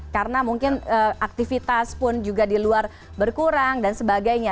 karena mungkin aktivitas pun juga di luar berkurang dan sebagainya